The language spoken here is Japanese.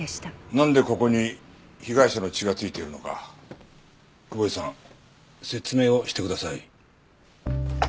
なんでここに被害者の血が付いているのか久保井さん説明をしてください。